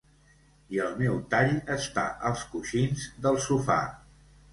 I el meu tall està als coixins del sofà.